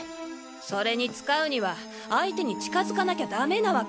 それに使うには相手に近づかなきゃ駄目なワケ。